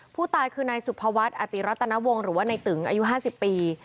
ผู้ตายคือนายสุภวัฒน์อติรัตนวงหรือว่าในตึงอายุ๕๐ปี